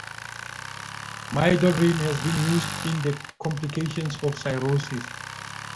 Midodrine has been used in the complications of cirrhosis.